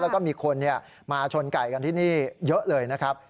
แล้วก็มีคนมาชนไก่กันที่นี่เยอะเลยนะครับ